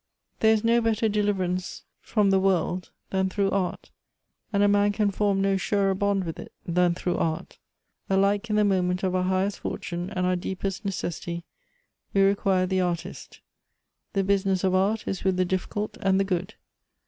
"There is no better deliverance from the world than through art ; and a man can form no surer bond with it than through art. " Alike in the moment of our highest fortune and our deepest necessity, we require the artist. " The business of art is with the difficult and the good.